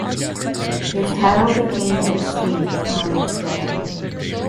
His title became extinct upon his death.